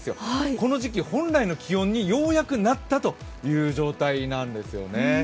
この時期、本来の気温にようやくなったという状態なんですよね。